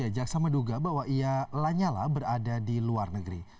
jaksa menduga bahwa ia lanyala berada di luar negeri